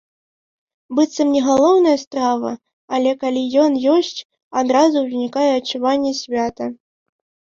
Быццам не галоўная страва, але калі ён ёсць, адразу ўзнікае адчуванне свята.